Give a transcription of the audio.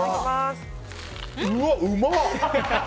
うわ、うまっ！